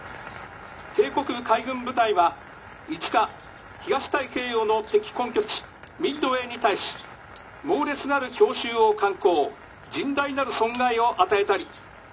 帝国海軍部隊は５日東太平洋の敵根拠地ミッドウェーに対し猛烈なる強襲を敢行甚大なる損害を与えたり。